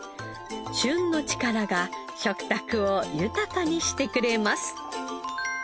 旬の力が食卓を豊かにしてくれます。